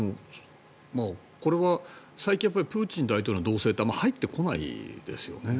これは最近プーチン大統領の動静ってあまり入ってこないですよね。